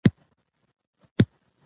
منطق او دلیل باید وکارول شي.